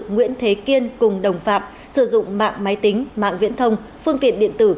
nguyễn thế kiên cùng đồng phạm sử dụng mạng máy tính mạng viễn thông phương tiện điện tử